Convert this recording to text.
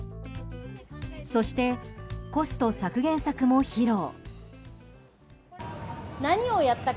そして、コスト削減策も披露。